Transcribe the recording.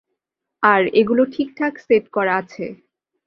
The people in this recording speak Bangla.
আর এগুলো ঠিকঠাক সেট করা আছে।